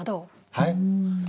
はい？